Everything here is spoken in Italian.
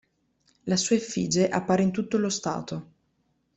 La sua effige appare in tutto lo stato.